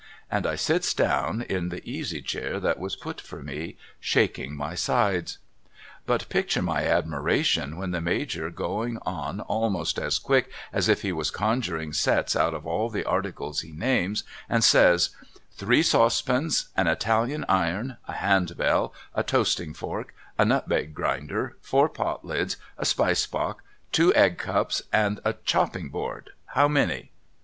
And I sits down in the easy chair that was put for me, shaking my sides. But picture my admiration when the Major going on almost as quick as if he was conjuring sets out all the articles he names, and says ' Three saucepans, an Italian iron, a hand bell, a toasting fork, a nutmeg grater, four i)otlids, a spice box, two egg cups, and a chopping board — how many